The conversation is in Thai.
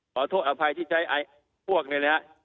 ขอโทษอภัยที่ใช้พวกเนี่ยนะฮะ